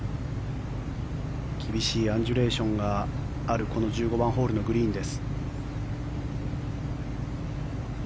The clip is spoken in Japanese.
厳しいアンジュレーションがあるこの１５番ホールのグリーンです。